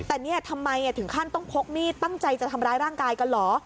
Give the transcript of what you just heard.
แต่เนี่ยทำไมถึงขั้นต้องพกมีดตั้งใจจะทำร้ายร่างกายกันเหรอ